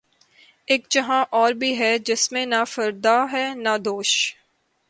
اک جہاں اور بھی ہے جس میں نہ فردا ہے نہ دوش